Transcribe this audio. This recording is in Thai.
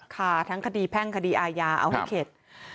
ค่ะทั้งคดีแพ่งคดีอาญาเอาให้เข็ด